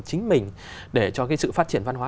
chính mình để cho sự phát triển văn hóa